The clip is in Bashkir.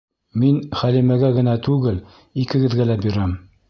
Мин Хәлимәгә генә түгел, икегеҙгә лә бирәм.